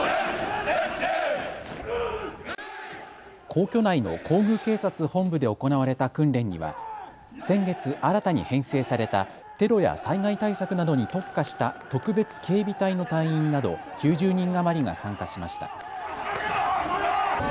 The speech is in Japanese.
皇居内の皇宮警察本部で行われた訓練には先月、新たに編成されたテロや災害対策などに特化した特別警備隊の隊員など９０人余りが参加しました。